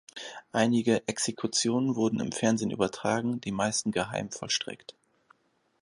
Einige Exekutionen wurden im Fernsehen übertragen, die meisten geheim vollstreckt.